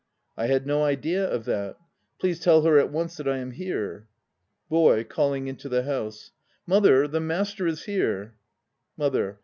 I had no idea of that. Please tell her at once that I am here. BOY (calling into the house). Mother, the Master is here. MOTHER.